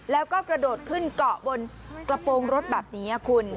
แล้วก็กระโดดขึ้นเกาะบนกระโปรงรถแบบนี้คุณ